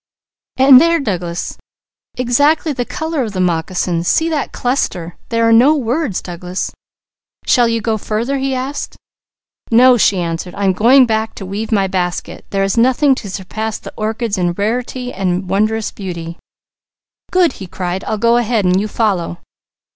"And there, Douglas! Exactly the colour of the moccasins see that cluster! There are no words, Douglas!" "Shall you go farther?" he asked. "No," she answered. "I'm going back to weave my basket. There is nothing to surpass the orchids in rarity and wondrous beauty." "Good!" he cried. "I'll go ahead and you follow."